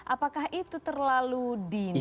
apakah itu terlalu dini